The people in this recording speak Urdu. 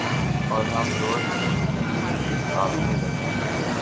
اور ہم روز ٹی وی کے سامنے بیٹھے